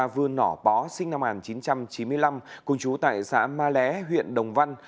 vừa nỏ bó sinh năm một nghìn chín trăm chín mươi năm cùng chú tại xã ma lé huyện đồng văn